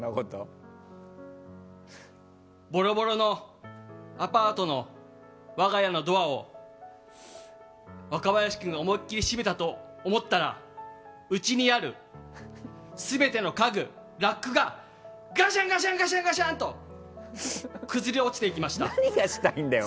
ボロボロのアパートの我が家のドアを若林君が思いっきり閉めたと思ったらうちにある全ての家具ラックがガシャンガシャン！と崩れ落ちていきました。